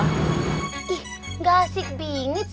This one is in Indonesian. ih gak asik bingit